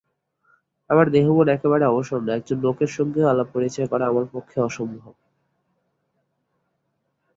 আমার দেহ মন একেবারে অবসন্ন, একজন লোকের সঙ্গেও আলাপ-পরিচয় করা আমার পক্ষে অসম্ভব।